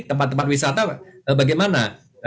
tempat tempat wisata bagaimana